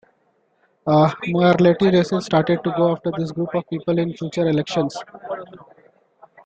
Mayoralty races started to go after this group of people in future elections.